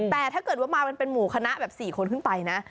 แต่ถ้าเกิดว่ามามันเป็นหมู่คณะแบบ๔คนขึ้นไปนะ